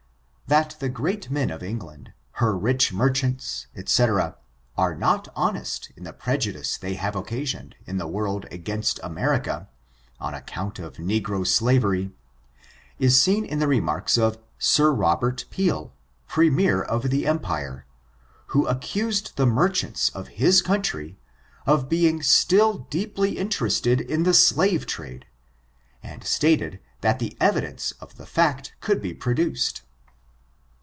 That the great men of England, her rich mei chants, <fcc., are not honest in the prejudice they have occasioned in the world against America, on account of negro slavery, is seen in the remarks of Sir Rob ert Peel, Premier of the Empire, who accused the merchants of his coimtry of being still deeply inter ested in the slave trade^ and stated that the evidence of the fact could be produced.